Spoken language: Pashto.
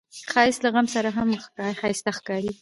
ښایست له غم سره هم ښايسته ښکاري